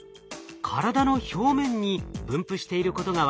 体の表面に分布していることが分かります。